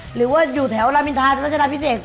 หรือว่าอยู่แถวรัชดาพิเศษ